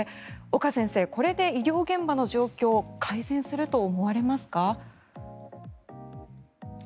岡先生、これで医療現場の状況改善すると思われますか？